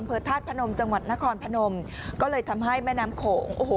ธาตุพนมจังหวัดนครพนมก็เลยทำให้แม่น้ำโขงโอ้โห